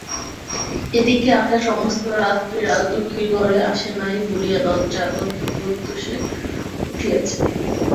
এ দিকে আশা সমস্ত রাত্রি রাজলক্ষ্মীর ঘরে আসে নাই বলিয়া লজ্জায় অত্যন্ত প্রত্যুষে উঠিয়াছে।